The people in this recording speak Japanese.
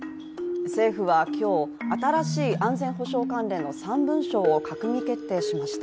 政府は今日、新しい安全保障関連の３文書を閣議決定しました。